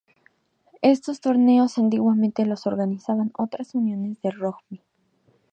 Estos torneos antiguamente los organizaban otras uniones de rugby.